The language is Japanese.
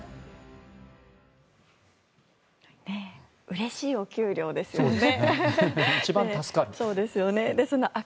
うれしいお給料ですよね。